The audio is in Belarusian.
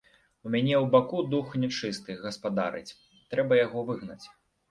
У мяне ў баку дух нячысты гаспадарыць, трэба яго выгнаць.